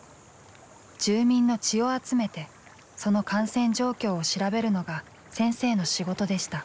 住民の血を集めてその感染状況を調べるのが先生の仕事でした。